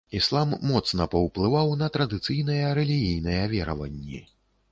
Іслам моцна паўплываў на традыцыйныя рэлігійныя вераванні.